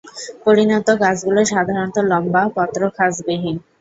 পরিণত গাছগুলো সাধারণত লম্বা, পত্রখাঁজবিহীন।